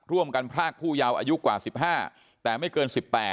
พรากผู้ยาวอายุกว่า๑๕แต่ไม่เกิน๑๘